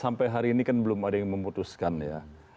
sampai hari ini kan belum ada yang memutuskan ya